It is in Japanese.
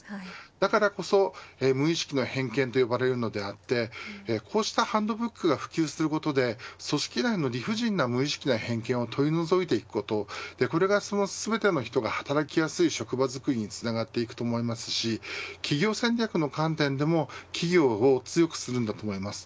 だからこそ無意識の偏見と呼ばれるのであってこうしたハンドブックが普及することで組織内の理不尽な無意識の偏見を取り除いていくことこれがその全ての人が働きやすい職場づくりに繋がっていくと思いますし企業戦略の観点でも企業を強くするんだと思います。